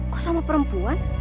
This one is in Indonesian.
kok sama perempuan